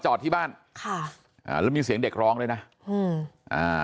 จอดที่บ้านค่ะอ่าแล้วมีเสียงเด็กร้องด้วยนะอืมอ่า